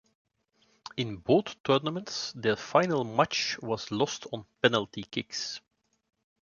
In both tournaments their final match was lost on penalty kicks.